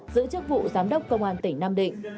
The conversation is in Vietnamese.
giữ chức vụ giám đốc công an tỉnh nam định